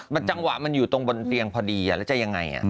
จังหวะมันอยู่ตรงบนเตียงพอดีแล้วจะยังไง